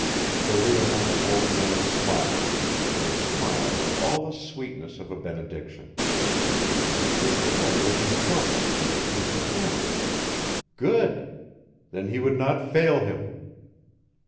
The leonine old man smiled, and his smile had all the sweetness of a benediction. His boy was in trouble and had come to him. Good! Then he would not fail him.